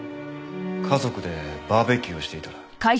家族でバーベキューをしていたら。